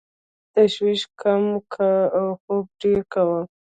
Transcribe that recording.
تشویش کم کوه او خوب ډېر کوه .